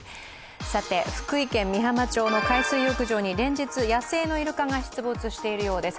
福井県美浜町の海水浴場に連日、野生のイルカが出没しているようです。